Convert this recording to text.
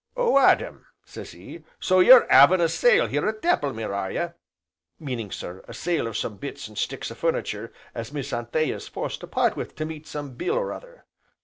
'Oh Adam!' sez he, 'so you're 'aving a sale here at Dapplemere, are you?' Meaning sir, a sale of some bits, an' sticks o' furnitur' as Miss Anthea's forced to part wi' to meet some bill or other.